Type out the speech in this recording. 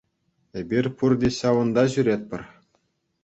Эпир пурте ҫавӑнта ҫӳретпӗр.